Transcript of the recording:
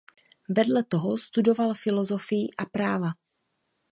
Vedle toho studoval filozofii a práva.